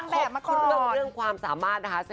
โรยันที่เป็นกังแบบมาก่อน